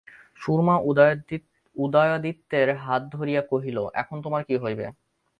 সুরমা উদয়াদিত্যের হাত ধরিয়া কহিল, এখন তোমার কী হইবে?